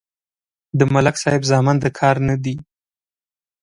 د ملک صاحب زامن د کار نه دي.